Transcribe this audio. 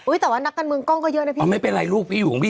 เอ้ยแต่ว่านักการเมืองกล้องก็เยอะนะมันไม่เป็นไรลูกพี่อยู่บีอยากจะ